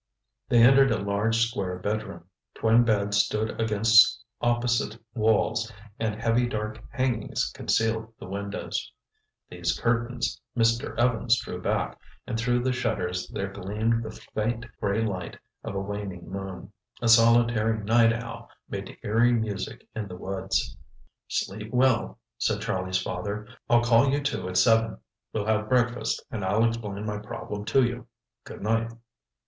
They entered a large, square bedroom. Twin beds stood against opposite walls, and heavy dark hangings concealed the windows. These curtains, Mr. Evans drew back, and through the shutters there gleamed the faint gray light of a waning moon. A solitary night owl made eerie music in the woods. "Sleep well," said Charlie's father. "I'll call you two at seven. We'll have breakfast and I'll explain my problem to you. Good night."